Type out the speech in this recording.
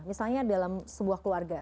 misalnya dalam sebuah keluarga